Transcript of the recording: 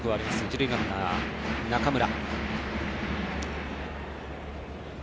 一塁ランナー、中村。